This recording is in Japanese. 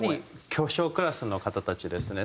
巨匠クラスの方たちですね。